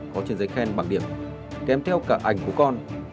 có trên giấy khen bằng điểm kèm theo cả ảnh của con